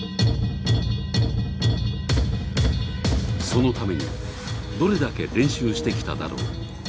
そのためにどれだけ練習してきただろう。